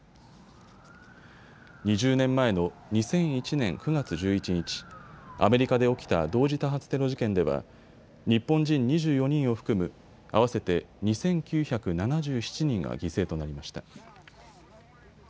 ２０年前の２００１年９月１１日、アメリカで起きた同時多発テロ事件では日本人２４人を含む合わせて２９７７人が犠牲となりました。